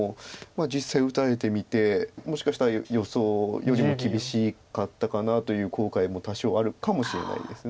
実際打たれてみてもしかしたら予想よりも厳しかったかなという後悔も多少あるかもしれないです。